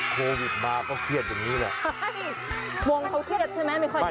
โควิดมาก็เครียดอย่างนี้แหละทวงเขาเครียดใช่ไหมไม่ค่อย